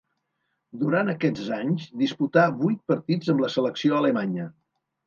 Durant aquests anys disputà vuit partits amb la selecció alemanya.